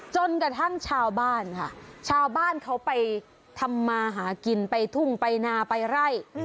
จนกระทั่งชาวบ้านค่ะชาวบ้านเขาไปทำมาหากินไปทุ่งไปนาไปไล่